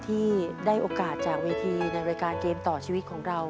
ที่ได้โอกาสจากเวทีในรายการเกมต่อชีวิตของเรา